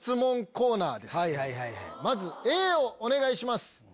まずＡをお願いします。